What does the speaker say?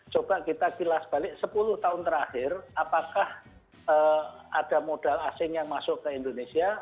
coba kita kilas balik sepuluh tahun terakhir apakah ada modal asing yang masuk ke indonesia